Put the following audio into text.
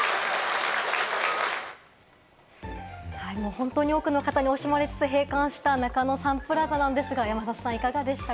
本当に多くの方に惜しまれつつ閉館した中野サンプラザなんですが山里さん、いかがでした？